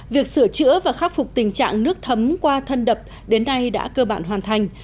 việc sửa chữa và khắc phục tình trạng nước thấm qua thân đập đến nay đã cơ bản hoàn thành